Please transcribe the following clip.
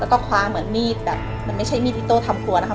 แล้วก็คว้าเหมือนมีดแบบมันไม่ใช่มีดอิโต้ทำครัวนะคะ